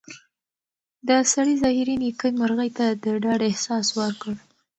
د سړي ظاهري نېکۍ مرغۍ ته د ډاډ احساس ورکړ.